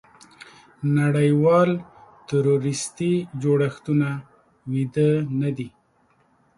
نړیوال تروریستي جوړښتونه ویده نه دي.